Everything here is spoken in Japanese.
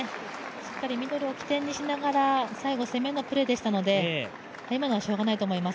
しっかりミドルを起点にしながら最後、攻めのプレーでしたので、今のはしょうがないと思います。